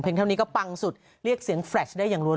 เท่านี้ก็ปังสุดเรียกเสียงแฟลชได้อย่างรวน